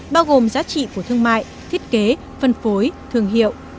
bao gồm giá trị của thương mại thiết kế phân phối thương hiệu